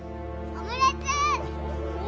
オムレツか。